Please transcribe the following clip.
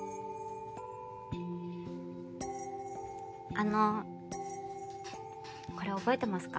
あのこれ覚えてますか？